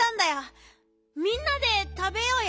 みんなでたべようよ。